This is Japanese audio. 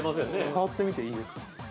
◆さわってみていいですか。